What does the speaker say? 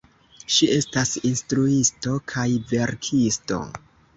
Ŝi estas instruisto kaj verkisto.